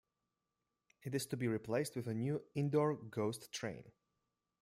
It is to be replaced with a new Indoor Ghost Train.